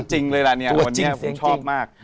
จริงเลยแล้วผมชอบมาก